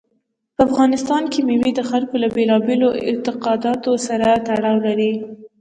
په افغانستان کې مېوې د خلکو له بېلابېلو اعتقاداتو سره تړاو لري.